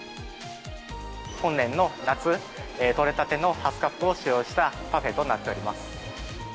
今年の夏、取れたてのハスカップを使用したパフェとなっております。